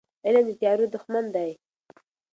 علم د تیارو دښمن دی.